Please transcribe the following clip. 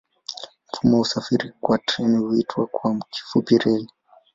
Mfumo wa usafiri kwa treni huitwa kwa kifupi reli.